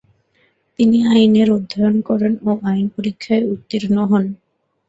তিনি আইনের অধ্যয়ন করেন ও আইন পরীক্ষায় উর্ত্তীণ হন।